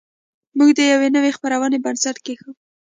موږ د یوې نوې خپرونې بنسټ کېښود